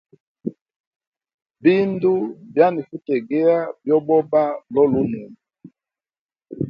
Bindu byanifuteya byoboba lulunwe.